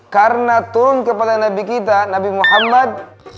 karena turun kepada nabi kita nabi muhammad